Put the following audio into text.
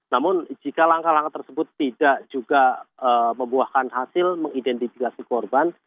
namun jika langkah langkah tersebut tidak juga membuahkan hasil mengidentifikasi korban